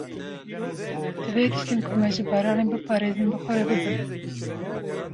Divê tiştên ku me ji baranê biparêzin bi xwe re bibin.